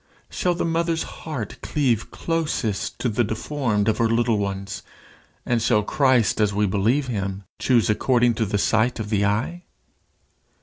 Shall the mother's heart cleave closest to the deformed of her little ones? and shall "Christ as we believe him" choose according to the sight of the eye?